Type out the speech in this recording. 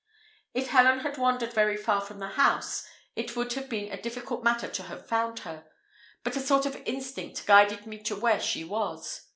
If Helen had wandered very far from the house, it would have been a difficult matter to have found her; but a sort of instinct guided me to where she was.